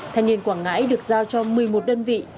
thanh niên quảng ngãi được giao cho một mươi một đơn vị